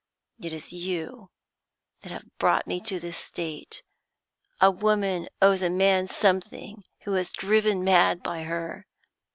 It is you that have brought me to this state; a woman owes a man something who is driven mad by her.